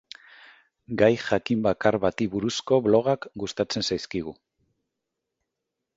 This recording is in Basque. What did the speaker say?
Gai jakin bakar bati buruzko blogak gustatzen zaizkigu.